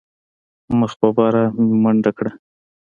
مخ په بره مې منډه کړه.